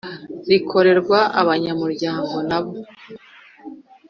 Rikorerwa abanyamuryango n abo